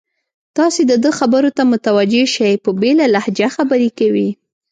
تاسې د ده خبرو ته متوجه شئ، په بېله لهجه خبرې کوي.